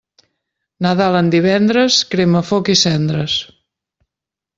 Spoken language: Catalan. Nadal en divendres, crema foc i cendres.